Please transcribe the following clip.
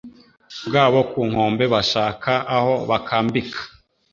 bwabo ku nkombe bashaka aho bakambika